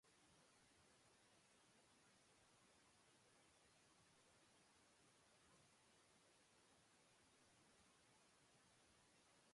The development of private railway lines beyond Wairio was somewhat complex.